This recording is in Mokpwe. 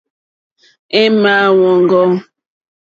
Èŋmáá wɔ̀ŋɡɔ́.